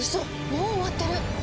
もう終わってる！